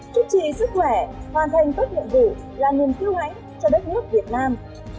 chúc chị sức khỏe hoàn thành tốt nhiệm vụ là niềm kưu hãnh cho đất nước việt nam